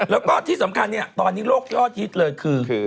แล้วก็ที่สำคัญเนี่ยตอนนี้โลกยอดฮิตเลยคือ